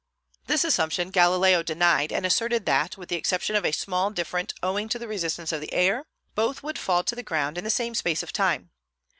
This assumption Galileo denied, and asserted that, with the exception of a small different owing to the resistance of the air, both would fall to the ground in the same space of time.